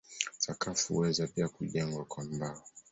Sakafu huweza pia kujengwa kwa mbao.